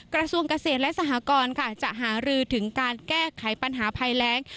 กระทรวงเกษตรและสหกรค่ะจะหารือถึงการแก้ไขปัญหาภัยแรง